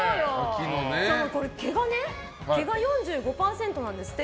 これ毛がね４５％なんですって。